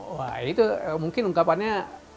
wah itu mungkin ungkapannya